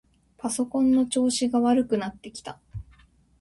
パソコンの調子が悪くなってきた。